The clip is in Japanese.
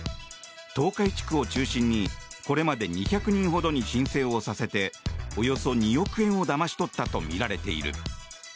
東海地区を中心にこれまで２００人ほどに申請をさせておよそ２億円をだまし取ったとみられている。